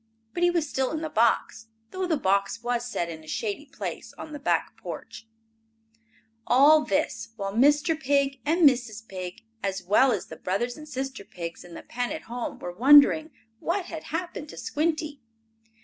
But he was still in the box, though the box was set in a shady place on the back porch. All this while Mr. Pig and Mrs. Pig, as well as the brother and sister pigs, in the pen at home, were wondering what had happened to Squinty.